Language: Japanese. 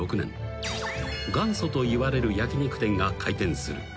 ［元祖といわれる焼肉店が開店する］